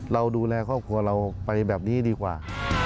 เราดูแลครอบครัวเราไปแบบนี้ดีกว่า